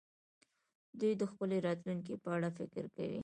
دوی د خپلې راتلونکې په اړه فکر کوي.